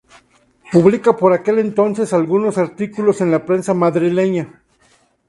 Publica, por aquel entonces, algunos artículos en la prensa madrileña.